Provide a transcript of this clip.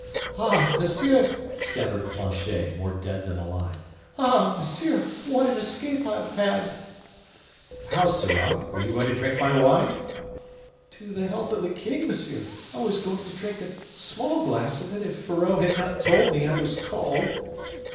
"Ah, monsieur!" stammered Planchet, more dead than alive, "ah, monsieur, what an escape I have had!" "How, sirrah! you were going to drink my wine?" "To the health of the king, monsieur; I was going to drink a small glass of it if Fourreau had not told me I was called."